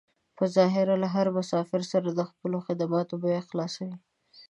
په ظاهره له هر مسافر سره د خپلو خدماتو بيه خلاصوي.